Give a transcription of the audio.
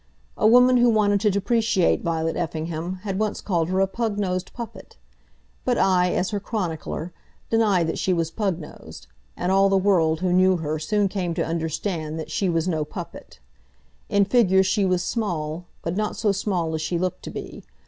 A woman who wanted to depreciate Violet Effingham had once called her a pug nosed puppet; but I, as her chronicler, deny that she was pug nosed, and all the world who knew her soon came to understand that she was no puppet. In figure she was small, but not so small as she looked to be.